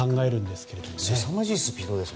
すさまじいスピードですね。